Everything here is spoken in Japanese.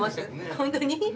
本当に？